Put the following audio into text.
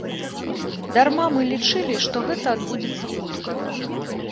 Дарма мы лічылі, што гэта адбудзецца хутка.